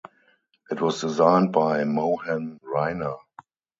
It was designed by Mohan Raina.